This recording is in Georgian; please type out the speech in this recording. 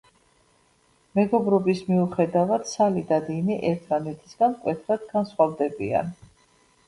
მეგობრობის მიუხედავად, სალი და დინი ერთმანეთისგან მკვეთრად განსხვავდებიან.